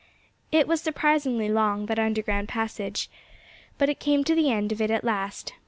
It was surprisingly long that underground passage. But he came to the end of it at last.